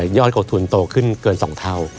ยอดกดทุนโตขึ้นเกิน๒เท่า